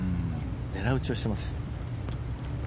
狙い打ちをしてます。